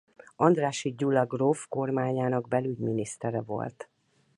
Andrássy Gyula gróf kormányának belügyminisztere volt.